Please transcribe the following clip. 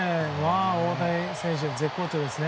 大谷選手、絶好調ですね。